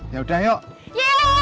sebentar dong om pur